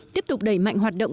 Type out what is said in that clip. tiếp tục đẩy mạnh hoạt động